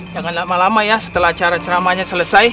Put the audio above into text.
jangan lama lama ya setelah cara ceramahnya selesai